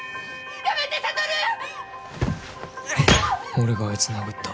俺があいつ殴った。